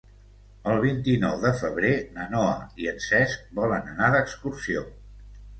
El vint-i-nou de febrer na Noa i en Cesc volen anar d'excursió.